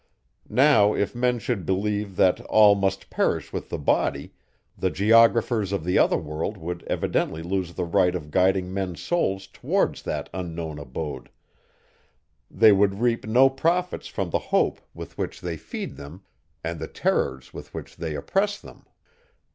Now, if men should believe, that all must perish with the body, the geographers of the other world would evidently lose the right of guiding men's souls towards that unknown abode; they would reap no profits from the hope with which they feed them, and the terrors with which they oppress them.